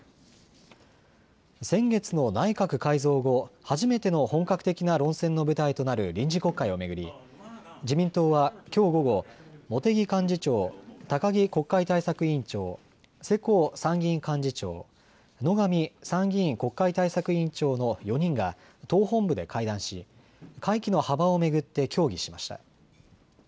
先月の内閣改造後、初めての本格的な論戦の舞台となる臨時国会を巡り自民党はきょう午後、茂木幹事長、高木国会対策委員長、世耕参議院幹事長、野上参議院国会対策委員長の４人が党本部で会談し会期の幅を巡って協議しました。